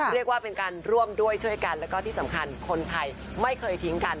เรียกว่าเป็นการร่วมด้วยช่วยกันแล้วก็ที่สำคัญคนไทยไม่เคยทิ้งกัน